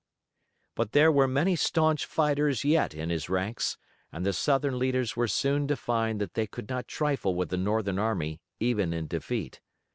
But there were many staunch fighters yet in his ranks, and the Southern leaders were soon to find that they could not trifle with the Northern army even in defeat.